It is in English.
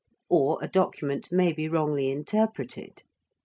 Or a document may be wrongly interpreted.